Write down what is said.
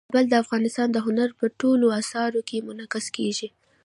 کابل د افغانستان د هنر په ټولو اثارو کې منعکس کېږي.